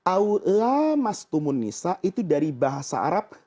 aw lamastumun nisa itu dari bahasa arab